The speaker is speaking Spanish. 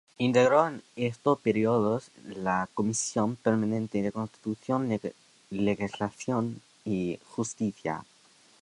Integró en estos dos períodos la Comisión permanente de Constitución, Legislación y Justicia.